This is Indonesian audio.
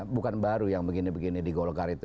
bukan baru yang begini begini di golkar itu